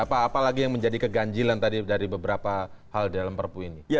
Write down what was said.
apa lagi yang menjadi keganjilan dari beberapa hal di dalam perpu ini